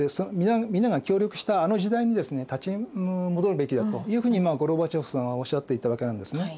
皆が協力したあの時代にですね立ち戻るべきだというふうにゴルバチョフさんはおっしゃっていたわけなんですね。